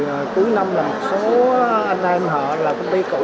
bởi vì cuối năm là một số anh em họ là công ty cũ